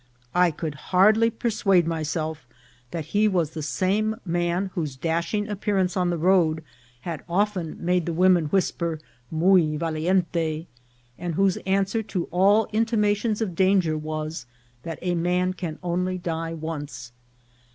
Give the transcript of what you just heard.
I could hardly persuade myself that he was the same man whose dashing appearance on the road had often A CHANGE OP CHARACTER. 127 made the women whisper " muy valiente," and whose answer to all intimations of danger was, that a man can only die once.